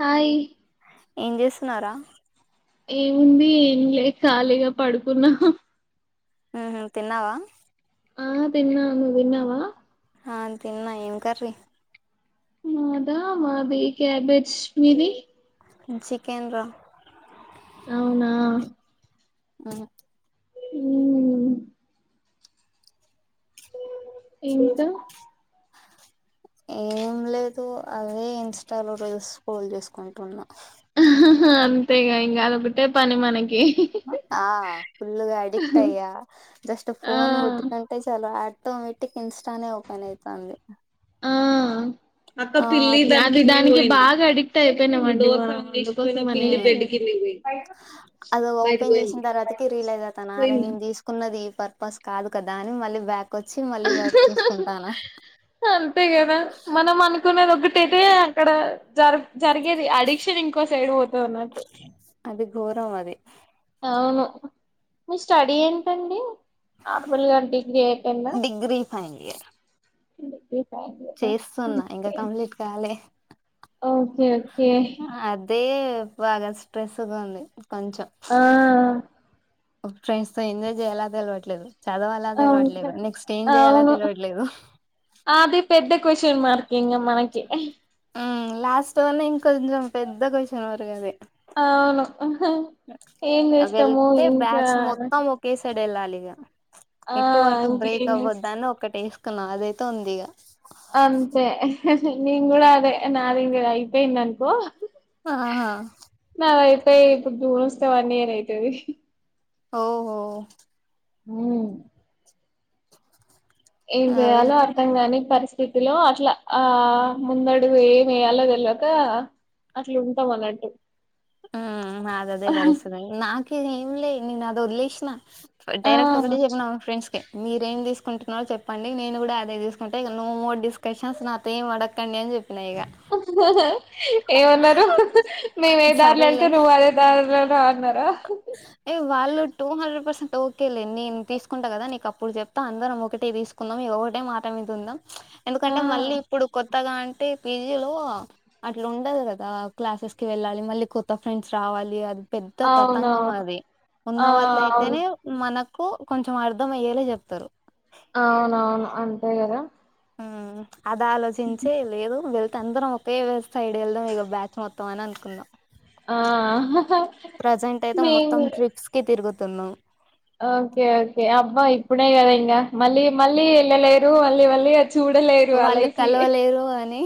Hi ఏం చేస్తున్నావు రా ఏముంది ఏం లే ఖాళీగా పడుకున్నా హ్మ్ తిన్నావా ఆ తిన్నా నువ్ తిన్నావా ఆ తిన్నా ఏం కర్రీ మాదా మాది క్యాబేజ్ మీది చికెన్ రా అవునా మ్ మ్మ్ ఇంకా ఏం లేదు అదే ఇన్స్టాలో రీస్ స్క్రోల్ చేసుకుంటున్నా అంతేగ ఇంక అదొకటె పని మనకి ఆ ఫుల్గా అడిక్ట్ అయ్య జస్ట్ ఆ ఫోన్ ముట్టుకుంటే చాల ఆటోమేటిక్ ఇన్స్టానే ఓపెన్ ఐతాంది ఆ అక్క పిల్లి అది దానికి బాగా అడిక్ట్ అయిపోయినామండి పోయింద మళ్ళీ ఉమ్ బడ్డ కిళ పోయి అది బయట ఓపెన్ పోయింది పోయింది తీకున్నది ఈ పర్పస్ కాదు కదా అని మళ్ళీ బ్యాక్ కోచ్చి మళ్ళీ బ చూసుకుంటానా తున్నది ఒకటైతే అక్కడ జ జరిగేది అడిక్షన్ ఇంకో సైడ్ పో టర్నాట్ అది ఘోరం అది అవును మీ స్టడీ ఏంటండి ఆర్మల్ గా డిగ్రీ అయిపోయింద డిగ్రీ ఫైనల్ ఇయర్ చేస్తున్నా ఇంకా కంప్లీట్ కాలె ఓకే ఓకే బాగా స్ట్రెస్గా ఉంది కొంచెం ఆ ఫ్రెండ్స్ తో ఎజాయ్ చేయాలా తెలియవట్లేదు చదవాల అవును తెలియట్లేదు నెక్స్ట్ ఏం చేయాల అవును తెలియట్లేదు క్యూస్షన్ మార్క్ ఇంకా మనకి హ్మ్ లాస్ట్ లోనే ఇంకొంచెం పెద్ద క్వశ్చన్ వరకు అవును ఏం అది చేస్తాము వెళ్తే ఇంకా బ్యాచ్ మొత్తం ఒకేసరీ వెళ్ళాలిక ఆ ఇటు అటు బ్రేక్ ఇంకేం చేస్ అవ్వద్ద అని ఒక్కటి వేసుకున్నాం అదైతే ఉంది ఇక అంతే నిన్ కూడా అదే నాది ఇగ అయిపోయింది అనుకో ఆహా తే ఇప్పుడు దువ్వస్తి వాన్ ఇయర్ అయితది ఓహో హ్మ్ ఏం అవి చేయాలో అర్థం కాని పరిస్థితిలో అట్లా ఆ ముందడుగు ఏమి వేయాలో తేల్వాక అట్లు ఉంటాం అన్నట్టు హ్మ్ నాది అదే పరిస్థితి నాకు ఆది ఏం లే నేన ఆది వదిలేసిన ఆ డైరెక్ట్ ఒకటె చెప్పినా మా ఫెండ్స్ కి మీరేం తీసుకు కుంటున్నా చెప్పండి నేను కూడా అదే తీసుకుంటే ఇక నో మోర్ డిస్ క్యూస్షన్ నాతో ఏం అడగకండి అని చెప్పినయిక ఏమన్నారు మేము ఏ దారిలో వెళ్తే సరేలే నువ్వు అదే దారీలో రా అన్నారు ఏ వాళ్ళు టూ హండ్రెడ్ పర్సెంట్ ఓకేలేదు నేను తీసుకుంటా కదా నీకుప్పుడు చెప్తా అందరం ఒకటె తీసుకుందాం ఇక ఒకటే మాట ఉందాం ఆ ఎందుకంటే మళ్ళీ ఇప్పుడు కొత్త కొత్తగా అంటే పీజీలో అట్లా ఉండదు కదా క్లాసెస్ కి వెళ్ళాలి మళ్ళీ కొత్త ఫ్రెండ్స్ రావాలి కావాలి అది పెద్ద తతంగం అవునవును అది ఉన్న ఆ వాళ్ళ అవును అయితేనే మన కు కొంచెం అర్థం అయ్యేలా చెప్తారు అవునవును అంతే కదా ఊ అది ఆలోచించే ఈల్ ఏదో బెదు తందరం ఒకే సైడ్ వెళ్దాం ఇక బ్యాచ్ మొత్తం అని అనుకున్న ఆ ప్రజెంట్ అయితే మొత్తం మేము ట్రిప్స్ కి తిరుగుతున్నం ఓకే ఓకే అబ్బా ఇప్పుడే కదా ఇంకా మళ్ళీ మళ్ళీ వెళ్ళలేరు మళ్ళీ మళ్ళీ చూడలేరు ఆ వాళ్ళు లైైఫ్ ని కలవలేరు అని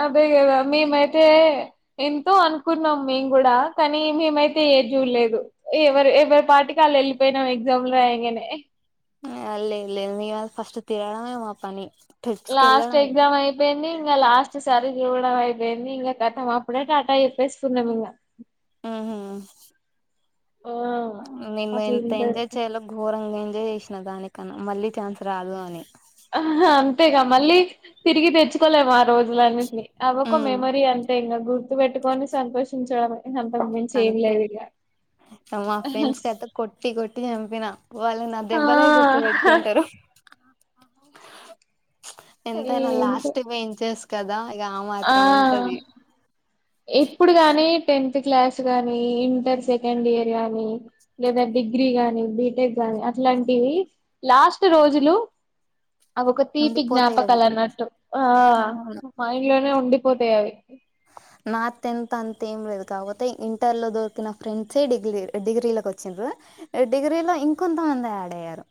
ఆబ్ అదే కదా మేమైతే ఎంతో అనుకున్నాం మేము కూడా కానీ మేమైతే ఏ జూలే లేదు ఎవరు ఎవరు పాటికి వాళ్ళు వెళ్ళిపోయినాం ఎగ్జామ్ లో రాయంగానే అ లేద్ లేద్ మీ వాల్ ఫస్ట్ తిరడమే మా పని ట్రిప్స్ కి లాస్ట్ వెళ్ళడమే ఎక్సమ్ అయి వెన్ని ఇంగ లాస్ట్ సారి జూడడం ఐపోయింది ఇంగ కతం మప్పుడే టాటా జెపెసుకున్నం ఇంగ ఆహా ఆ మేము ఎంత ఎంజాయ్ అట్లుంటది చేయలో ఘోరంగ ఐ ఎంజాయ్ చేసినా దానికన్నా మళ్ళీ ఛాన్స్ రాదు అని ఆహా అంతేగా మళ్ళీ తిరిగి తెచ్చుకోలేము ఆ రోజు ఇగ అన్నింటిని అవి ఒక ఉమ్ మెమరీ అంతే ఇంగ గుర్తు పెట్టుకొని సంతోషించడంమే అంతే మించేంలేదు ఇంగ మా ఫ్రెండ్స్ కయితే కొట్టి కొట్టి చంపిన వాళ్ళు నా ఆ దెబ్బలే గుర్తు పెట్టుకుంటరు ఆ ఎంతైనా ఏంటో లాస్ట్ బెంచర్స్ కదా ఇగ ఆ మాత్రం ఉంటది ఎప్పుడు గాని టెన్త్ త్ క్లాస్ గానీ ఇంటర్ సెకండ్ ఇయర్ గాని లేదా డిగ్రీ గానీ బీటెక్ గాని లాంటివి లాస్ట్ రోజులు అవి ఒక తీపి ఉండిపోతాయి అవి జ్ఞాపకాలు అన్నట్టు ఆ అవును మా మైండ్ లోనే ఉండిపోతాయి అవి నా తెంత్ అంత ఏం లేదు కాకపోతే ఇంటర్ లో దొరికిన ఫ్రెండ్సే డిగ్లీల్ డిగ్రీలకి వచ్చింన్రు ఎ డిగ్రీ లో ఇంకొంతమంది యాడ్ అయ్యారు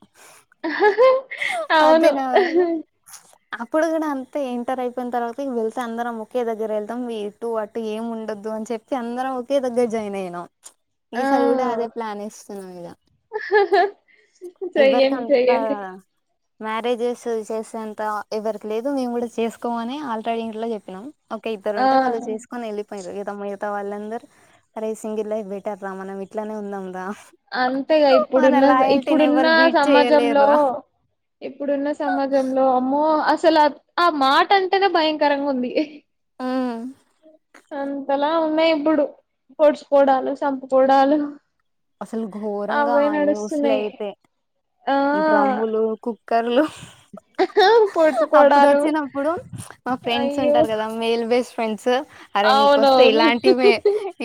అదే అవును నా అప్పుడు కూడా అంతా ఏంటర్ అయి దాన్ తర్వాత నీక్ తెల్స అందరం ఒకే దగ్గర మొత్తం ఇటు అటు ఏం ఉండదు అని చెప్పి అందరం ఒకే దగ్గర జాయిన్ అయినాం ఈసారి కూడా ఆ అదే ప్లాన్ ఏస్తున్నం ఇగ చెయ్యండి ఎవరికంతా చెయ్యండి మ్యారేజెస్ చేసేంత ఎవరికి లేదు మేము కూడా చేసుకోమని ఆల్రెడీ ఇంట్ల చెప్పినం ఒక ఇద్దరు ఆ ఉంటే వాళ్ళు చేసుకొని వెళ్ళపోయిండ్రు యు త మిగతా వాళ్ళందరు అరే సింగల్ లైఫ్ బెటర్ రా మనం ఇట్లానే ఉందం రా అంతేగా మన ఇప్పుడున్నన్స ఇప్ లాయల్టీని ఇప్పుడున్న ఎవరు బీట్ చేయలేరు సమాజంలో రా ఇప్పుడున్న సమాజంలో అమ్మో ఓ అసలు అది ఆ మాట అంటనే భయంకరంగా ఉంది అంతలా ఉన్నాయి ఇప్పుడు పొడుచుకోడాలు చంపుకోడాలు అసలు ఘోరంగా ఆ న్యూస్లు అయితే ఆ డ్రమ్ములు కుక్కర్లు అప్పుడు పొడుచుకోవడాలు వచ్చినప్పుడు మా ఫ్రెండ్స్ అయ్యో ఉంటరు కదా మెయిల్ బేస్ట్ ఫ్రెండ్స్ అరే నీకొస్తే అవునవును ఇలాంటివే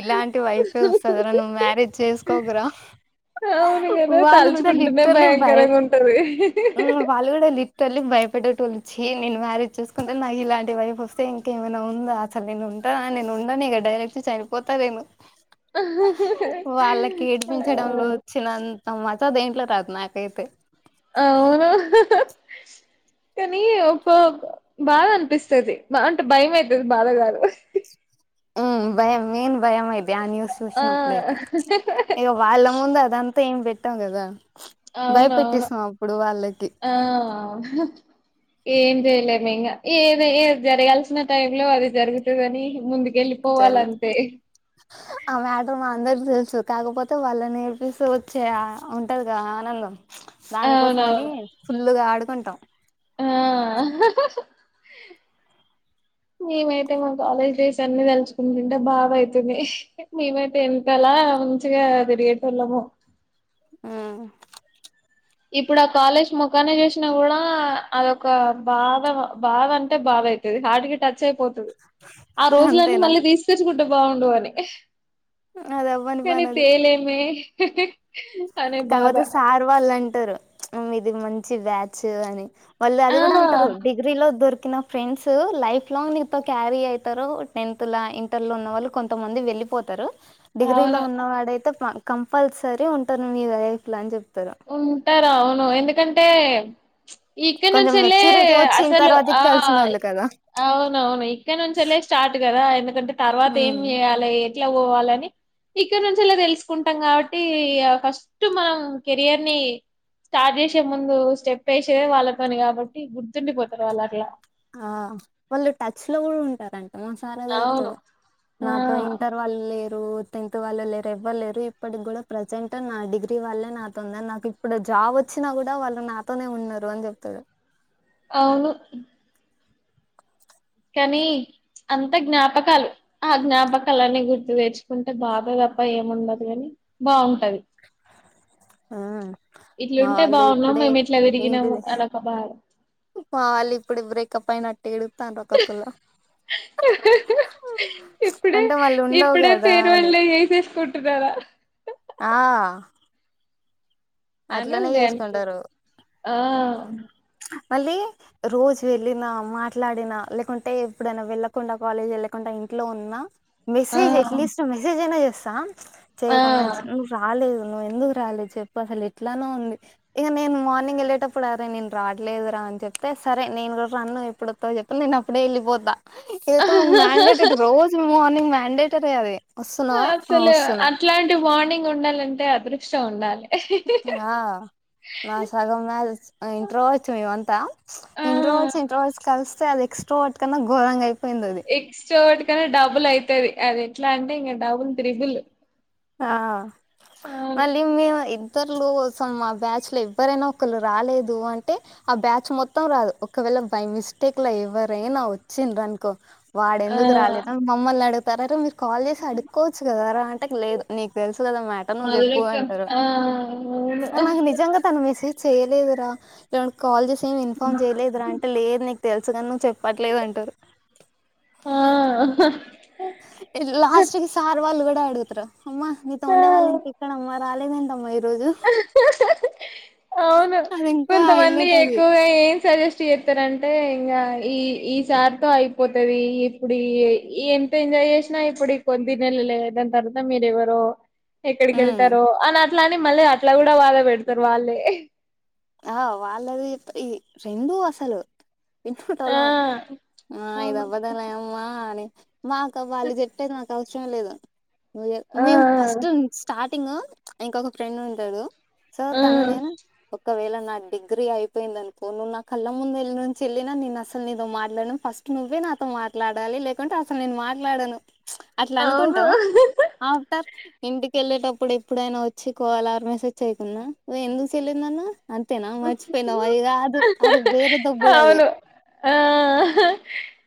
ఇలాంటి వైఫె వస్తదరా నువ్వు మ్యారేజ్ చేసుకోకురా అవును కదా వాళ్ళు కూడా తలుచుకుంటేనే లీట్రలి భయం భయంకరంగా ఉంటది ఊ వాళ్ళు కూడా లిట్ర ఈలు భయపెట్టలోళ్ళు చి నేను మ్యారేజ్ చూసుకుంటే నాకు ఇలాంటి వైఫ్ వస్తే ఇంకేమైనా ఉందో అసలు నేను ఉంటా నేనుండనిగ డైరెక్ట్ చనిపోతా నేను వాళ్ళకి ఏడిపించడంలో వచ్చినం ఆ మజా దేంట్లో రాదు నాకైతే అవును కానీ ఒ బాగా అనిపిస్తది అంటే భయం అయితుది బాధ గాదు మ్మ్ భయం ఏన్ భయం అయిది ఆ న్యూస్ ఆ చూసినప్పుడైతే ఇగ వాళ్ళ ముందు అదంతా ఏం పెట్టం గదా అవునవును భయపెట్టిస్తం అప్పుడు వాళ్ళకి ఆ ఏం చేయలేమింగ ఏద్ ఏద్ జరగాల్సిన టైం లో అది జరుగుతుదని ముందు జరుగుతు ఆ మ్యాటర్ మా అందరికి తెలుసు కాకపోతే వాళ్ళు నేర్పిస్తే వచ్చే ఆ ఉంటదిగా ఆనందం దాని కోసం అని అవునవును ఫుల్లుగా ఆడుకుంటాం ఆ మేమైతే మా కాలేజ్ డేస్ అన్ని తలుచుకుంటుంటే బాబైతుంది మేమైతే ఎంతలా మంచిగా అదిరేపల్లమో మ్మ్ ఇప్పుడా కాలేజ్ మొఖాన్ని చూసినా గుడా అదొక బాధ బాధ అంటే బాధ అయితది హార్ట్కి టచ్ అయిపోతుది ఆ రోజులన్నీ అంతేనా మళ్ళీ తీస్ తెచ్చుకుంటే బాగుండు అని అది అవ్వని కానీ తేలేమే అనే బాధ కావోతే సార్ వాల్లన్ టరు ఇది మంచి బ్యాచ్ అని వాళ్ళు ఆ అది గుడా అంటారు డిగ్రీలో దొ నా ఫ్రెండ్స్ లైఫ్ లాంగ్ నీతో క్యారీ అయితారు టెన్త్ లా ఇంటర్ లో ఉన్న వాళ్ళు కొంతమంది వెళ్ళి పోతరు డిగ్రీలో అవును ఉన్నవాడైతే కంపల్సరీ ఉంటారు మీ లైఫ్ లో అని చెప్తరు ఉంటారు అవును ఎందుకంటే ఇక్క కొంచెం నుంచెల్లే మెచ్యూరిటీ వచ్చిన అసలు తర్వాత ఆ కలిసిన వాళ్ళు కదా అవునవును ఇక్కడ నుంచిళ్లే స్టార్ట్ గదా ఎందుకంటే తర్వాత ఏం ఉమ్ చేయాలి ఇట్లా పోవాలని ఇక్కడ నుంచి అలా తెలుసుకుంటాం కాబట్టి ఫస్ట్ మనం కెరియర్ని స్టార్ట్ చేసే ముందు స్టెప్ వేసేదే వాళ్ళతోని కాబట్టి గుర్తుండిపోతారు వాళ్ళట్లా ఆ వాళ్ళు టచ్ లో గూడ ఉంటారం సార్ అవును అదేజెప్తడు ఆ నాతో ఇంటర్ వాళ్ళు లే టెన్త్ వాళ్ళు లేరు ఎవ్వలేరు ఇప్పటికి గుడా ప్రజెంట్ నా డిగ్రీ వాళ్లే నా తొంద నాకు ఇప్పుడు రా వచ్చినా గూడా వాళ్ళు నాతోనే ఉన్నరు అని చెప్తాడు అవును కనీ అంత జ్ఞాపకాలు ఆ జ్ఞాపకాలన్నీ గుర్తుపేర్చుకుంటే బాబ దప్ప ఏముండదు గని బావుంటది ఆ ఇట్లుంటే బాగున్నాం మేమిట్ల దిరిగినము అనొక బ మావాలిప్పుడు బ్రేకప్ అయినట్టు ఏడుతార్రు ఒక్కొక్కళు ఇప్పుడే అంటే వళ్ళు ఉండవు ఇప్పుడే గదా అని ఫేర్వెల్ డే చేసేసుకుంటున్నారా ఆ యాన్యువల్ అట్లనే డే అనుకో చేసుకుంటారు ఆ మళ్ళీ రోజు వెళ్ళినా మాట్లాడినా లేకుంటే ఎప్పుడైనా వెళ్ళకుండా కాలేజ్ వెళ్ళకుండా ఇ ఉన్నా ఆ మెసేజ్ అట్లీస్ట్ మెసేజ్ అయినా చేస్తా ఆ చేయకున్న నువ్ రాలేదు నువ్వెందుకు రాలి చెప్పసలి ఎట్లానో ఉంది ఇగ నేను మార్నింగ్ వెళ్ళేటప్పుడు అరే నేను రాట్లేను రా అని చెప్తే సరే నేను కూడా రాను ఎప్పుడొస్తావో చెప్పు నేను అప్పుడే వెళ్ళిపోతా ఏదైతో మ్యాండేటరీ రోజు మార్నింగ్ మండేటరీ అది వస్తున్నావా ఆ అసలు వస్తున్నా అట్లాంటి మార్నింగ్ ఉండాలంటే అదృష్టం ఉండాలే ఆ నా సగం వాగ్ ఇంట్ర వచ్చ మేమంతా ఆ ఇంట్ర వచ్చ ఇంట్రా వచ్చ కలిసి అది ఎక్ట్రా వాటికన్నా గోరంగా ఐ ఎక్స్ట్రా వాటికన్నా డబుల్ అయితది అది ఎట్లా అంటే ఇగ డబుల్ త్రిబుల్ ఆ అవును మళ్ళి మేము ఇ ఇతరులు కోసం ఆ బ్యాచ్ లో ఎవ్వరైనా ఒకరు రాలేదు అంటే ఆ బ్యాచ్ మొత్తం రాదు ఒకవేళ ఇగ బై మిస్టేక్ ఎవరనా వచ్చిండ్రు అనుకో వాడు ఆ ఎందుకు రాలేదు మమ్మల్ని అడుగుతారు అరే మీరు కాల్ చేసి అడుకోవచ్చు కదరా అంటే లేదు నీకు తెలుసు కదా మ్యాటర్ నువ్వు చెప్పు మధురెక్క అంటారు ఆ అవును మాకు నిజంగా తను మేసే చేయలేదురా లేకుంటే కాల్ చేసి అయినా ఇన్ఫార్మ్ చేయలేదురా అంటే లేదు నీకు తెలుసు నువ్వు చె చెప్పట్లేదు అంటారు ఆ లాస్ట్ కి సార్ వాళ్ళు కూడా అడుగుతారు అమ్మ నీతో ఉండే వాళ్ళు ఆ. ఇంకా ఎక్కడ అమ్మ రాలేదేందమ్మా ఈ రో అవును అది ఇంకా కొంతమంది హైలైట్ అది ఎక్కువగా ఏం సజెస్ట్ చేస్తారంటే ఇంకా ఈ ఈ సార్ తో అయిపోతుంది ఇప్పుడు ఇ ఎ ఎంత ఎంజాయ్ చేసినా ఇప్పుడు కొద్ది నెలలు దాని తర్వాత మీరు ఎవరో ఎక్కడికి ఉమ్, వెళ్తారో అని అట్లా అని మళ్ళ అట్లా కూడా వాళ్లే పెడతారు వాళ్ళే ఆ వాళ్ళది ఈ రెండు అసలు ఇన్పుట్ ఆ అవ్వాలే ఆ ఇది అవును అవ్వదాల అమ్మా అని మాకు వాళ్ళు చెప్పేది మాకు అవసరం లేదు ఆ మేము ఫస్ట్ స్టార్ట్ టింగ్ ఇంకొక ఫ్రెండ్ ఉంటాడు సో ఆ తను నేను ఒక వేళ నా డిగ్రీ అయిపోయింది అనుకో నువ్వు నా కళ్ళ ముందు లేనుంచి వెళ్ళినా నేను అసలు నీతో మాట్లాడను ఫస్ట్ నువ్వే నాతో మాట్లాడాలి లేకుంటే అసలు నేను మాట్లాడను అట్లా ఆ అనుకుంటాం అవును ఆఫ్టర్ ఇంటికి వెళ్ళేటప్పుడు ఎప్పుడైనా వచ్చి కాల్ ఆర్ మెసేజ్ చేయ్యకున్నా ఎందుకు చేయలేదు నాన్న అంతే నా మర్చపోయినవా ఇగ అది కాదు వేరే దొబ్బుడు అది అవును ఆ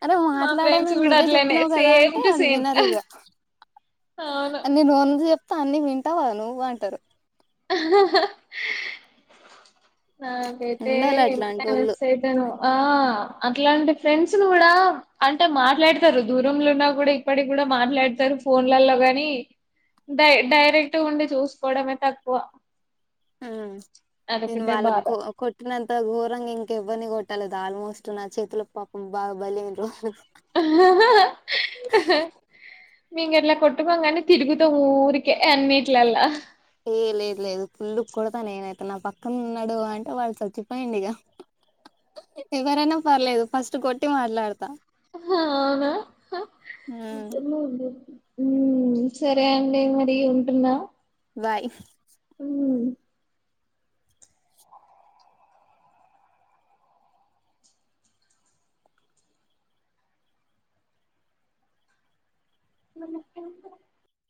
అరే మా ఫ్రెండ్స్ మాట్లాడానని కూడా నువ్వే అట్లనే చెప్పినావు కదా సేమ్ అంటే టు అది సేమ్ వినరు ఇగ అవును నేను వంద చెప్తా అన్ని వింటావా నువ్వు అంటారు [inaudible] నాకైతే ఉండాలి ఎంత అట్లాంటోళ్ళు మిస్ ఆయాతానో ఆ అట్లాంటి ఫ్రెండ్స్ ను కూడా అంటే మాట్లాడతారు దూరంలో ఉన్నా కూడా ఇప్పటి కూడా మాట్లాడుత తారు ఫోన్లలో గాని డై డైరెక్ట్ ఉండి చూసుకోవడమే తక్కువ హు నేను అదొకటే బాధ వాళ్ళకు కొటినంత గోరంగా ఇంకెఎరిని కొటి కోట్టలేదు ఆల్మోస్ట్ నా చేతుల ప పాపం బాగా బలి అయిరూ మేము గట్ల కొట్టుకుంగానే తిరుగుతాం ఊరికే అన్నిట్లల్ల ఎ లేదు లేదు ఫుల్లుగా కొడతా నేనైతే నా పక్కన ఉన్నాడు అంటే వాడు సచ్చిపోయిండు ఇగా ఎవరైనా పర్లేదు ఫస్ట్ కొట్టి మాట్లాడతా ఆహా అవునా ఉమ్ [unintelligible] ఉ సరే అండి మరి ఉంటున్నా బాయ్ ఊ [unintelligible]